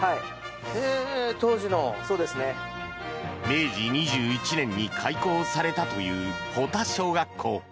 明治２１年に開校されたという保田小学校。